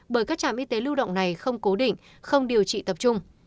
bởi các trạm y tế lưu động này không cố định không điều trị tập trung